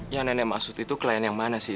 yang nenek maksud itu klien yang mana sih